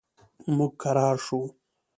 موږ کرار شو.